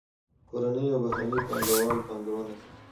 کورني او بهرني پانګه وال پانګونه کوي.